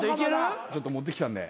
ちょっと持ってきたんで。